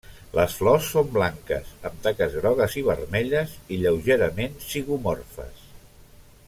Les flors són blanques amb taques grogues i vermelles, i lleugerament zigomorfes.